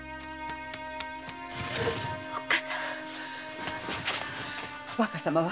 おっ母さん若様は？